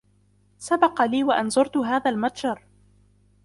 سبق لي و أن زرت هذا المتجر.